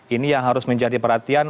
ini yang harus menjadi perhatian